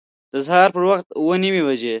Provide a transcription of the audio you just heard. د سهار په وخت اوه نیمي بجي